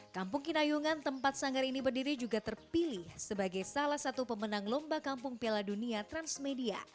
kampung kinayungan tempat sanggar ini berdiri juga terpilih sebagai salah satu pemenang lomba kampung piala dunia transmedia